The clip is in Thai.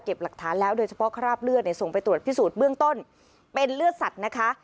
หลักฐานแล้วโดยเฉพาะคราบเลือดเนี่ยส่งไปตรวจพิสูจน์เบื้องต้นเป็นเลือดสัตว์นะคะ